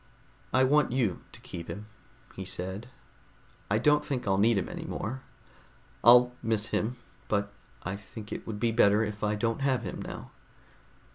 "I want you to keep him," he said. "I don't think I'll need him any more. I'll miss him, but I think it would be better if I don't have him now.